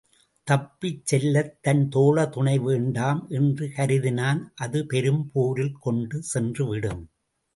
தப்பிச் செல்லத் தன் தோழர் துணை வேண்டாம் என்று கருதினான் அதுபெரும் போரில் கொண்டு சென்று விடும்.